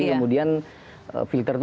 kemudian filter itu